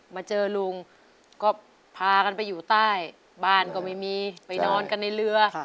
มาเจอลุงก็พากันไปอยู่ใต้บ้านก็ไม่มีไปนอนกันในเรือ